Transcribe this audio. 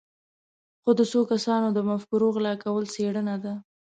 خو د څو کسانو د مفکورو غلا کول څېړنه ده.